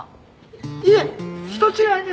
いえ人違いです。